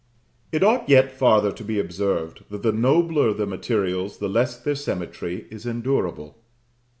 It ought yet farther to be observed, that the nobler the materials, the less their symmetry is endurable.